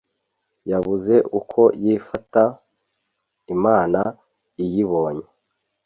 yabuze uko yifata. imana iyibonye